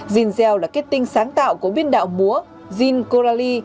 zinzel là kết tinh sáng tạo của biên đạo múa zin coralie